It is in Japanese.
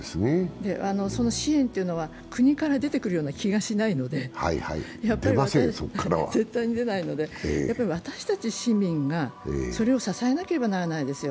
その支援というのは国から出てくるような気がしません、絶対に出ないので私たち市民がそれを支えなければならないですよ。